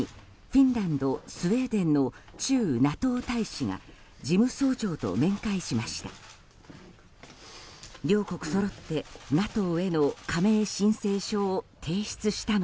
フィンランド、スウェーデンの駐ＮＡＴＯ大使が事務総長と面会しました。